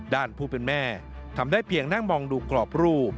ผู้เป็นแม่ทำได้เพียงนั่งมองดูกรอบรูป